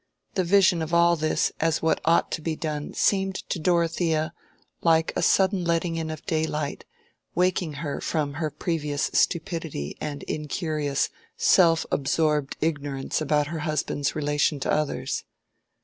The vision of all this as what ought to be done seemed to Dorothea like a sudden letting in of daylight, waking her from her previous stupidity and incurious self absorbed ignorance about her husband's relation to others.